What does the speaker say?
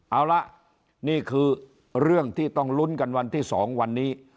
เอาละนี่คือเรื่องที่ต้องลุ้นกันวันที่๒วันนี้